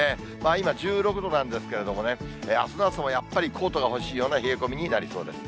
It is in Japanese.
今、１６度なんですけれどもね、あすの朝もやっぱり、コートが欲しいような冷え込みになりそうです。